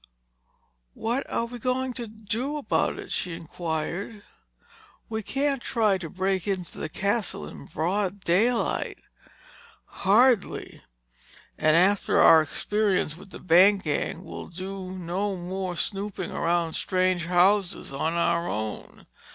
"What are we going to do about it?" she inquired. "We can't try to break into the Castle in broad daylight." "Hardly. And after our experience with the bank gang, we'll do no more snooping around strange houses on our own.